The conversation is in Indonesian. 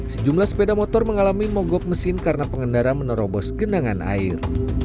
sejumlah sepeda motor mengalami mogok mesin karena pengendara menerobos genangan air